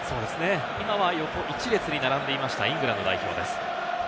今は横１列に並んでいましたイングランド代表です。